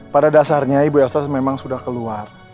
pada dasarnya ibu elsa memang sudah keluar